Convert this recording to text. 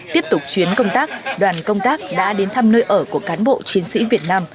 tiếp tục chuyến công tác đoàn công tác đã đến thăm nơi ở của cán bộ chiến sĩ việt nam